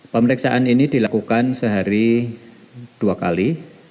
pemeriksaan ini dilakukan sehari dua kali